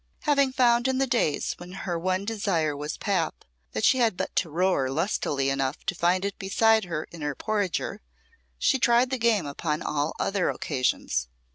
Having found in the days when her one desire was pap, that she had but to roar lustily enough to find it beside her in her porringer, she tried the game upon all other occasions.